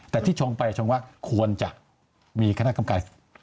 แต่ที่ชงไปชงว่าควรจะมีคณะกรรมการ